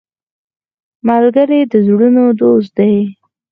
ملګری د زړونو دوست دی